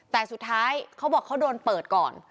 แต่สุดท้ายเขาบอกเขาโดนเปิดก่อน